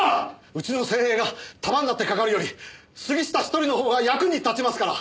うちの精鋭が束になってかかるより杉下一人の方が役に立ちますから。